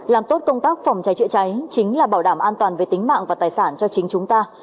làm tốt công tác phòng cháy chữa cháy chính là bảo đảm an toàn về tính mạng và tài sản cho chính chúng ta